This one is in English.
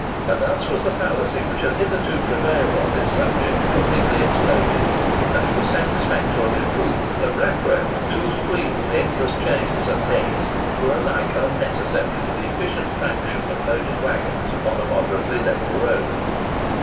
And thus was the fallacy which had heretofore prevailed on this subject completely exploded, and it was satisfactorily proved that rack rails, toothed wheels, endless chains, and legs, were alike unnecessary for the efficient traction of loaded waggons upon a moderately level road.